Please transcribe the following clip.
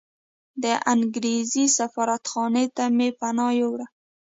د انګریز سفارتخانې ته مې پناه یووړه.